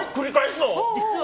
実は。